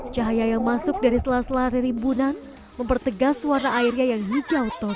cahaya yang masuk dari selas lari rimbunan mempertegas warna airnya yang hijau toska